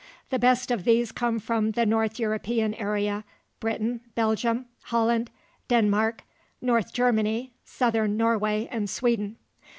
The best of these come from the north European area: Britain, Belgium, Holland, Denmark, north Germany, southern Norway and Sweden.